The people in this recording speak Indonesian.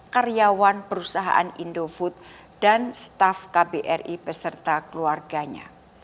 karyawan perusahaan indofood dan staff kbri beserta keluarganya